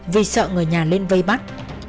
vì sợ người nhà lên vây bắt